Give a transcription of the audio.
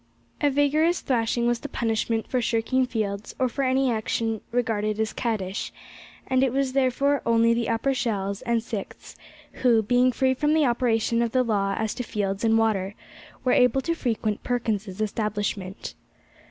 A vigorous thrashing was the punishment for shirking fields, or for any action regarded as caddish; and it was therefore only the Upper 'Shells' and Sixth, who, being free from the operation of the law as to fields and water, were able to frequent Perkins's establishment.